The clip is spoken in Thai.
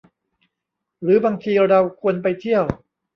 หรือบางทีเราควรไปเที่ยว